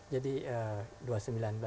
jadi dua ribu sembilan belas ini